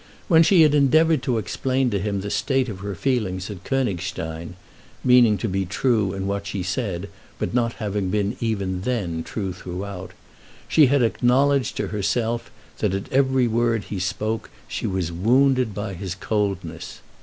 When she had endeavoured to explain to him the state of her feelings at Königstein, meaning to be true in what she said, but not having been even then true throughout, she had acknowledged to herself that at every word he spoke she was wounded by his coldness.